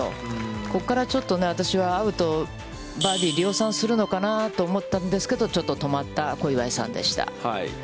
ここからちょっと私は、アウト、バーディー量産するのかなと思ったんですけど、ちょっと止まった小祝さんでした。